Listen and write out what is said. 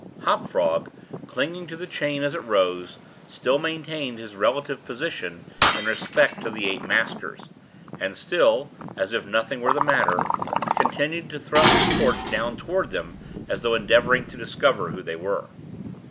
Hop Frog, clinging to the chain as it rose, still maintained his relative position in respect to the eight maskers, and still (as if nothing were the matter) continued to thrust his torch down toward them, as though endeavoring to discover who they were.